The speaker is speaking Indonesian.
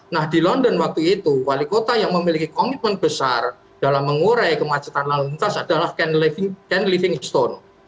nah di london waktu itu wali kota yang memiliki komitmen besar dalam mengurai kemacetan lalu lintas adalah can living stone